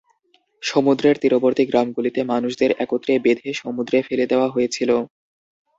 সমুদ্রের তীরবর্তী গ্রামগুলিতে মানুষদের একত্রে বেঁধে সমুদ্রে ফেলে দেওয়া হয়েছিল।